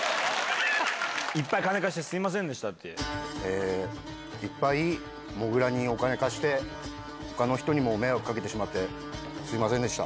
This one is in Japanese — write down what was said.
いっぱい金貸してすみませんいっぱいもぐらにお金貸して、ほかの人にも迷惑かけてしまって、すみませんでした。